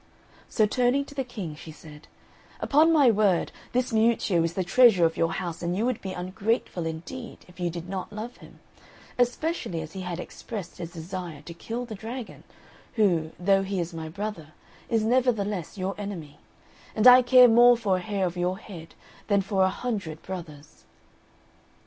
So turning to the King, she said, "Upon my word, this Miuccio is the treasure of your house, and you would be ungrateful indeed if you did not love him, especially as he had expressed his desire to kill the dragon, who, though he is my brother, is nevertheless your enemy; and I care more for a hair of your head than for a hundred brothers."